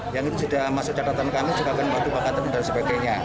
yang itu sudah masuk catatan kami juga akan membantu pak kateten dan sebagainya